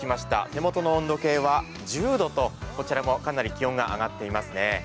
手元の温度計は１０度と、こちらもかなり気温が上がっていますね。